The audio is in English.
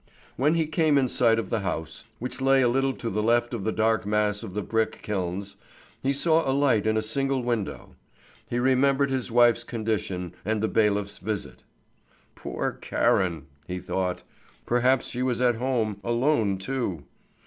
When he came in sight of his house, which lay a little to the left of the dark mass of the brick kilns, he saw a light in a single window. He remembered his wife's condition and the bailiff's visit. "Poor Karen!" he thought; "perhaps she was at home, alone too."